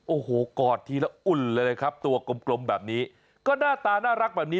โอ้โหกอดทีละอุ่นเลยนะครับตัวกลมแบบนี้ก็หน้าตาน่ารักแบบนี้